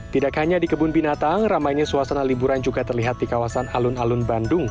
tidak hanya di kebun binatang ramainya suasana liburan juga terlihat di kawasan alun alun bandung